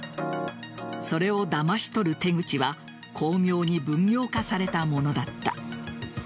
それをだまし取る手口は巧妙に分業化されたものだった。